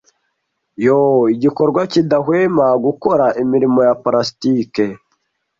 yoo igikorwa kidahwema gukora imirimo ya parasitike